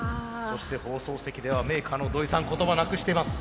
そして放送席ではメーカーの土井さん言葉なくしています。